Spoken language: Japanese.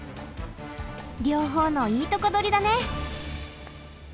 両方のいいとこどりだね。